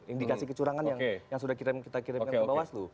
indikasi kecurangan yang sudah kita kirimkan ke bawaslu